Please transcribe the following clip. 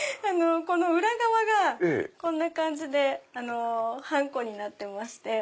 この裏側がこんな感じでハンコになってまして。